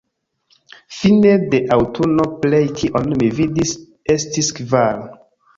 Fine de aŭtuno plej kion mi vidis estis kvar.